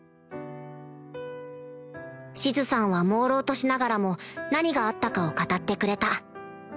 シズさんは朦朧としながらも何があったかを語ってくれた